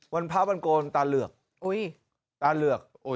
วันพร้าววันโกณฑ์ตาเลือก